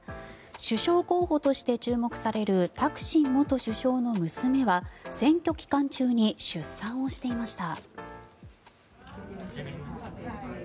首相候補として注目されるタクシン元首相の娘は選挙期間中に出産をしていました。